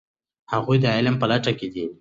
هغوی د علم په لټه کې دي.